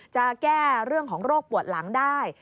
จะแก้เรื่องของโรคปวดหลังได้